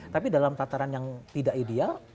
tapi dalam tataran yang tidak ideal